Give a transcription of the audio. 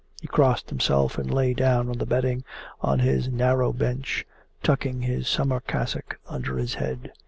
He crossed himself and lay down on the bedding on his narrow bench, tucking his summer cassock under his head.